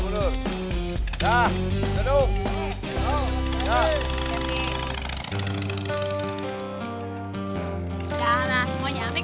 mondi udah ga ada hak lagi kan sama neng